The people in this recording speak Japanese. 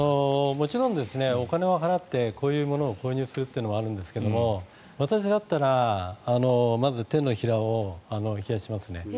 もちろんお金を払ってこういうものを購入するというのはあるんですが私だったらまず手のひらを冷やしますね。